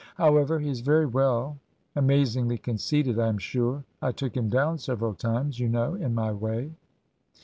However, he is very well. Amazingly conceited, I am sure. I took him down, several times, you know, in my way.'